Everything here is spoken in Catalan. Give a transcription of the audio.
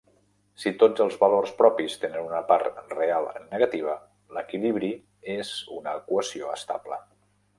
Si tots els valors propis tenen una part real negativa, l'equilibri és una equació estable.